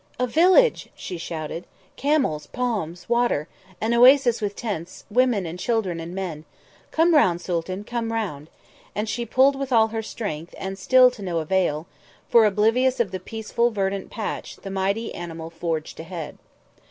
"A village!" she shouted. "Camels, palms, water. An oasis with tents; women and children and men. Come round, Sooltan, come round." And she pulled with all her strength, and still to no avail, for, oblivious of the peaceful, verdant patch, the mighty animal forged ahead.